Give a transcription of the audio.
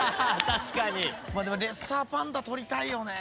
でもレッサーパンダ取りたいよね。